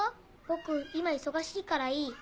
僕今忙しいからいい。